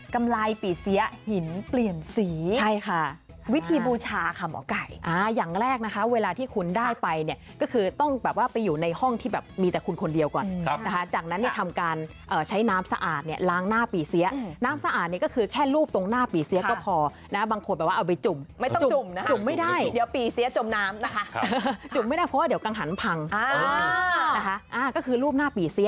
กำไรปีเซียหินเปลี่ยนสีใช่ค่ะวิธีบูชาค่ะหมอไก่อย่างแรกนะคะเวลาที่คุณได้ไปเนี่ยก็คือต้องแบบว่าไปอยู่ในห้องที่แบบมีแต่คุณคนเดียวก่อนนะคะจากนั้นเนี่ยทำการเอ่อใช้น้ำสะอาดเนี่ยล้างหน้าปีเซียน้ำสะอาดนี่ก็คือแค่รูปตรงหน้าปีเซียก็พอนะบางคนแบบว่าเอาไปจุ่มไม่ต้องจุ่มจุ่มไม